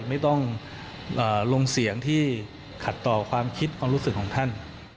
ไม่ต้องลงเสียงที่ขัดต่อความคิดความรู้สึกของท่าน